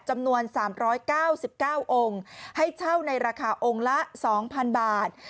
จำนวน๓๙๙องค์ให้เช่าในราคาองค์ละ๒๐๐๐บาท